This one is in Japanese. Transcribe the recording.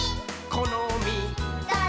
「このみっ！」